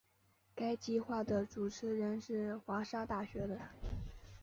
该计画的主持人是华沙大学的。